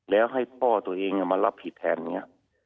แล้วให้พ่อตัวเองมารับผิดแทนอย่างนี้